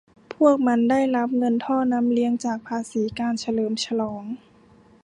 พวกมันได้รับเงินท่อน้ำเลี้ยงจากภาษีการเฉลิมฉลอง